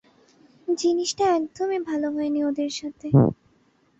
জিনিসটা একদমই ভালো হয়নি ওদের সাথে।